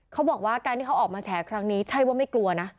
เขาบอกว่าการที่เขาออกมาแฉครั้งนี้ใช่ว่าไม่กลัวนะ